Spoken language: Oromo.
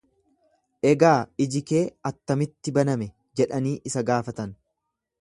Egaa iji kee attamitti baname? jedhanii isa gaafatan.